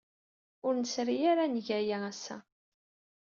Ur nesri ara ad neg aya ass-a.